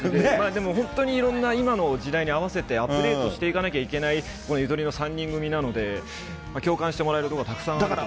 でも本当に、いろんな、今の時代にあわせて、アップデートしていかなきゃいけないこのゆとりの３人組なので、共感してもらえるところがたくさんあると思います。